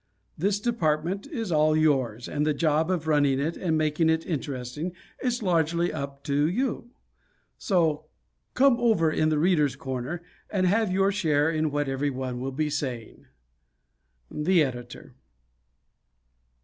This department is all yours, and the job of running it and making it interesting is largely up to you. So "come over in 'The Readers' Corner'" and have your share in what everyone will be saying. _The Editor.